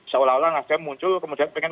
seolah olah nasdem muncul kemudian pengen